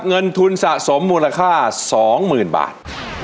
เงินทุนสะสมมูลค่า๒๐๐๐บาท